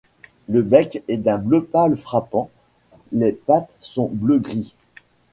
Le bec est d'un bleu pâle frappant, les pattes sont bleu-gris.